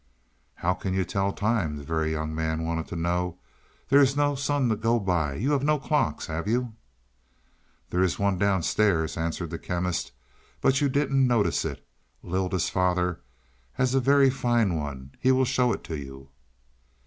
"How can you tell time?" the Very Young Man wanted to know. "There is no sun to go by. You have no clocks, have you?" "There is one downstairs," answered the Chemist, "but you didn't notice it. Lylda's father has a very fine one; he will show it to you."